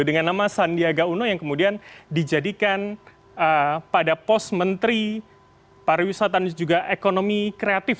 dengan nama sandiaga uno yang kemudian dijadikan pada pos menteri pariwisata dan juga ekonomi kreatif